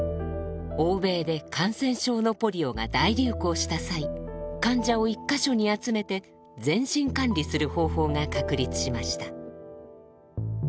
欧米で感染症のポリオが大流行した際患者を１か所に集めて全身管理する方法が確立しました。